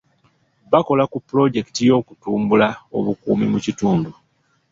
Bakola ku pulojekiti y'okutumbula obukuumi mu kitundu.